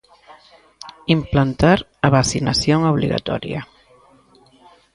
Implantar a vacinación obrigatoria.